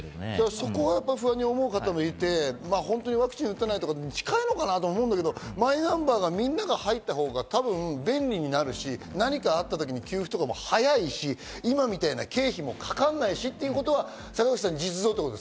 そこを不安に思う方もいて、ワクチンを打たない方に近いのかもしれないけど、マイナンバーにみんなが入ったほうが便利になるし、何かあったときに給付とかも早いし、今みたいな経費もかかんないし、ということは実像ですね、坂口さん。